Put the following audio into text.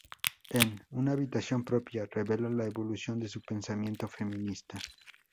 En "Una habitación propia" revela la evolución de su pensamiento feminista.